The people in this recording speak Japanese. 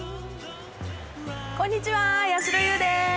こんにちはやしろ優です。